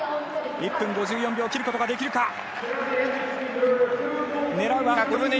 １分５４秒を切ることができるか。